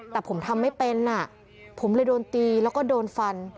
แต่ผมทำไม่เป็นผมเลยโดนตีแล้วก็โดนฟัน